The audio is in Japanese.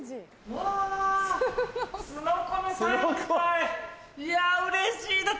いやうれしいな！